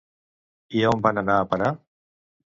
I a on van anar a parar?